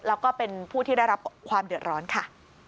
แล้วก็เป็นผู้ที่ได้รับความเดือดร้อนค่ะ